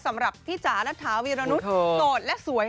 สำหรับพี่จ๋ารัฐาวีรนุษย์โสดและสวย